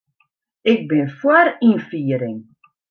Ik bin foar ynfiering.